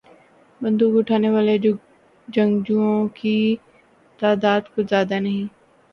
بندوق اٹھانے والے جنگجوؤں کی تعداد کچھ زیادہ نہیں۔